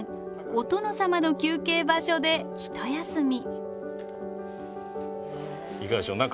お殿様の休憩場所で一休み。